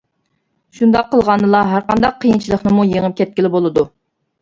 شۇنداق قىلغاندىلا، ھەرقانداق قىيىنچىلىقنىمۇ يېڭىپ كەتكىلى بولىدۇ.